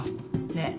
ねえ？